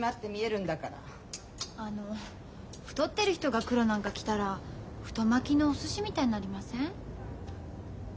あの太ってる人が黒なんか着たら太巻きのおすしみたいになりません？